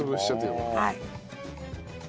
はい。